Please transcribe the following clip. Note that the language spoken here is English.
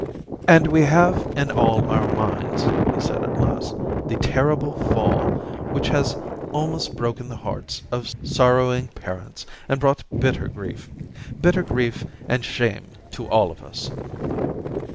•And Wfe have in all our minds,' he said 234 Orientations at last, *the terrible fall which has almost broken the hearts of sorrowing parents and brought bitter grief — bitter grief and shame to all of us.'